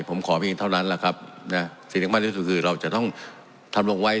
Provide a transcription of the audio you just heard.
ผมขอเพียงเท่านั้นแหละครับนะสิ่งที่มากที่สุดคือเราจะต้องทำลงไว้